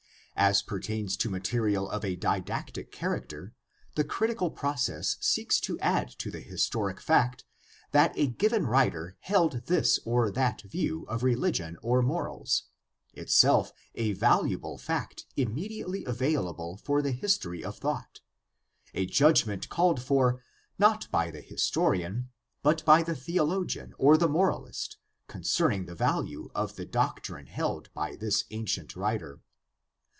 As pertains to material of a didactic character, the critical process seeks to add to the historic fact that a given writer held this or that view of reli gion or morals — itself a valuable fact immediately available for the history of thought — a judgment called for, not by the historian, but by the theologian or the moralist, concerning the value of the doctrine held by this ancient writer.